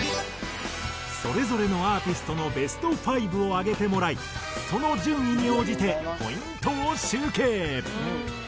それぞれのアーティストのベスト５を挙げてもらいその順位に応じてポイントを集計。